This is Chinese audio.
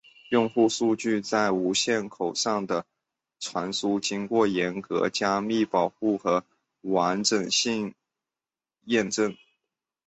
用户数据在无线口上的传输经过严格的加密保护和完整性验证。